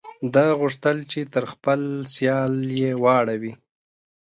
ده غوښتل چې تر خپل سیال یې واړوي.